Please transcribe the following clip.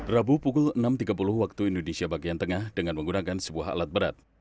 rabu pukul enam tiga puluh waktu indonesia bagian tengah dengan menggunakan sebuah alat berat